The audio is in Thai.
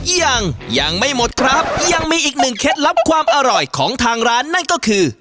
ยังยังไม่หมดครับยังมีอีกหนึ่งเคล็ดลับความอร่อยของทางร้านนั่นก็คือ